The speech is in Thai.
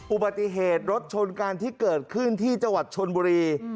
อุบัติเหตุรถชนกันที่เกิดขึ้นที่จังหวัดชนบุรี